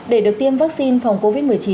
để được tiêm vaccine phòng covid một mươi chín